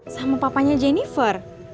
sama papanya jennifer